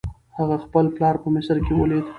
هغه خپل پلار په مصر کې ولید.